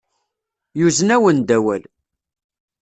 Yuzen-awen-d awal.